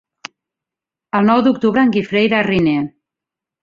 El nou d'octubre en Guifré irà a Riner.